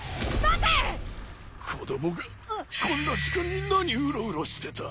子供がこんな時間に何うろうろしてた。